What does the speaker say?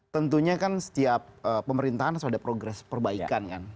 tentunya kan setiap pemerintahan harus ada progres perbaikan kan